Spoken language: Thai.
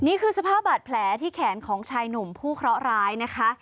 นี่คือสภาพบาดแผลที่แขนของชายหนุ่มผู้เคราะห์ร้ายนะคะ